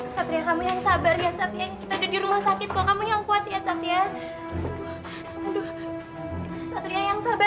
sampai jumpa di video selanjutnya